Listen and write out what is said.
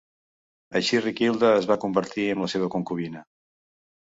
Així Riquilda es va convertir en la seva concubina.